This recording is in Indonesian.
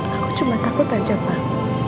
aku cuma takut aja pak